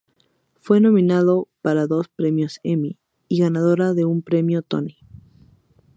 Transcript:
Fue nominada para dos Premios Emmy y ganadora de un Premio Tony.